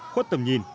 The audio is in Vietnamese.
khuất tầm nhìn